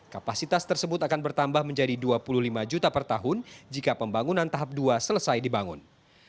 kapasitas tersebut akan bertambah menjadi dua puluh lima juta per tahun jika pembangunan tahap dua selesai dibangun